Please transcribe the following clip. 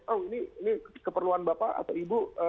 oh ini keperluan bapak atau ibu